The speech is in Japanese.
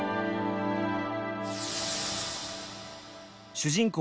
主人公